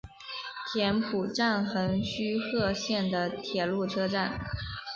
田浦站横须贺线的铁路车站。